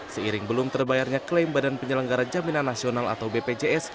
seiring belum terbayarnya klaim badan penyelenggara jaminan nasional atau bpjs